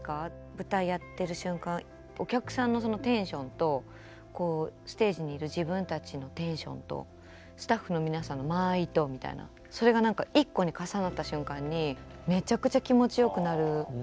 舞台やってる瞬間お客さんのテンションとステージにいる自分たちのテンションとスタッフの皆さんの間合いとみたいなそれが一個に重なった瞬間にめちゃくちゃ気持ちよくなる。